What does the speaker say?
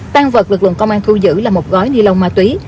tăng vật lực lượng công an thu giữ là một gói ni lông ma túy